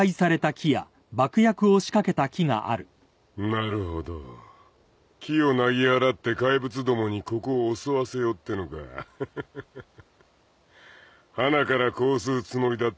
なるほど樹をなぎ払って怪物どもにここを襲わせようってのかハハハッハナからこうするつもりだったのか？